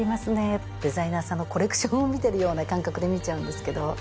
デザイナーさんのコレクションを見てるような感覚で見ちゃうんですけど。